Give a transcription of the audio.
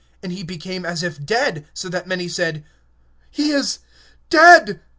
And he became as one dead; so that many said: He is dead.